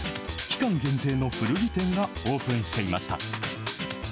期間限定の古着店がオープンしていました。